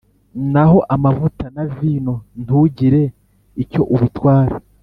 naho amavuta na vino ntugire icyo ubitwara.